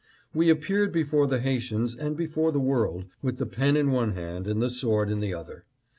We appeared before the Haitians, and before the world, with the pen in one hand and the sword in the other.